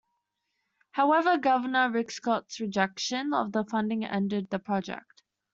However, Governor Rick Scott's rejection of the funding ended the project.